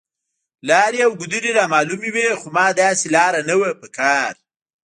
لارې او ګودرې رامعلومې وې، خو ما داسې لار نه وه په کار.